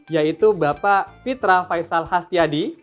yaitu bapak fitra faisal hastiadi